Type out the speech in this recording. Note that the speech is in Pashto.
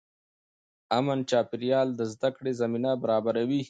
امن چاپېریال د زده کړې زمینه برابروي.